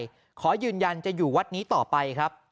ขอยืนยันจะอยู่วัดนี้ต่อไปครับ